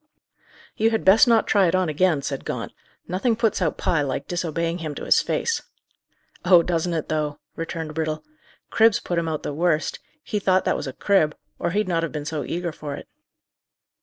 "You had best not try it on again," said Gaunt. "Nothing puts out Pye like disobeying him to his face." "Oh, doesn't it, though!" returned Brittle. "Cribs put him out the worst. He thought that was a crib, or he'd not have been so eager for it."